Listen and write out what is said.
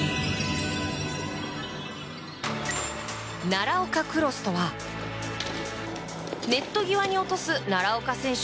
奈良岡クロスとはネット際に落とす奈良岡選手